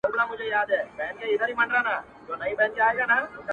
شور به ګډ په شالمار سي د زلمیو!.